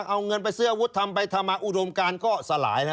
เอาเงินไปเสื้อวุฒิธรรมไปธรรมอุดมการก็สลายฮะ